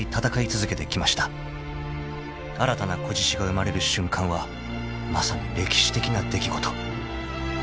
［新たな仔獅子が生まれる瞬間はまさに歴史的な出来事］